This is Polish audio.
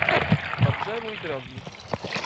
— Dobrze, mój drogi.